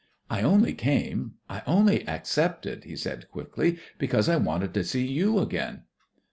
"I only came I only accepted," he said quickly, "because I wanted to see you again."